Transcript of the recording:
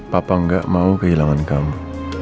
papa gak mau kehilangan kamu